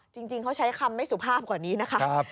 จริงเขาใช้คำไม่สุภาพกว่านี้นะคะ